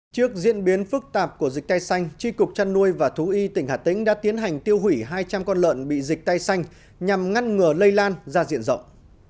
trước diễn biến phức tạp của dịch cây xanh tri cục trăn nuôi và thú y tỉnh hà tĩnh đã tiến hành tiêu hủy hai trăm linh con lợn bị dịch tay xanh nhằm ngăn ngừa lây lan ra diện rộng